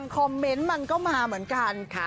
คอมเมนต์มันก็มาเหมือนกัน